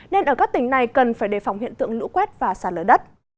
nên ở các tỉnh này cần phải đề phòng hiện tượng lũ quét và xả lở đất